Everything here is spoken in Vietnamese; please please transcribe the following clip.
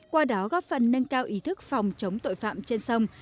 qua đó góp phần nâng cao ý thức phòng chống tội phạm trên sông